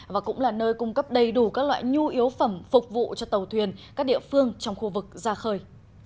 và cũng là nơi cung cấp đầy đủ các loại nhu yếu phẩm phục vụ cho tàu thuyền các địa phương trong khu vực ra khơi